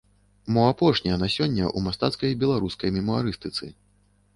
Мо апошняя на сёння ў мастацкай беларускай мемуарыстыцы.